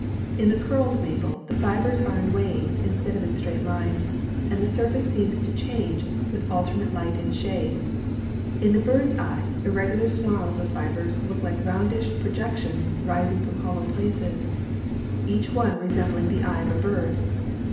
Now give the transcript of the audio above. In the curled maple the fibres are in waves instead of in straight lines, and the surface seems to change with alternate light and shade; in the bird's eye, irregular snarls of fibres look like roundish projections rising from hollow places, each one resembling the eye of a bird.